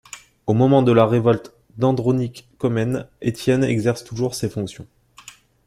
Au moment de la révolte d'Andronic Comnène, Étienne exerce toujours ces fonctions.